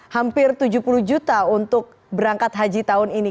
hampir tujuh puluh juta untuk berangkat haji tahun ini